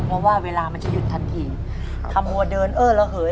เพราะว่าเวลามันจะหยุดทันทีคำว่าเดินเออระเหย